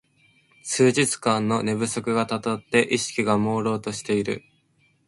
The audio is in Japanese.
数日間の寝不足がたたって意識がもうろうとしている